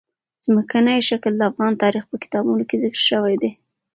ځمکنی شکل د افغان تاریخ په کتابونو کې ذکر شوي دي.